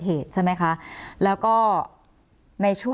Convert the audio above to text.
คุณจอมขอบพระคุณครับ